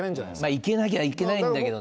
いけなきゃいけないんだけどね。